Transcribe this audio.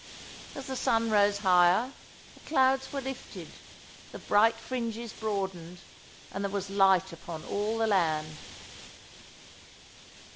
As the sun rose higher, the clouds were lifted, the bright fringes broadened, and there was light upon all the land.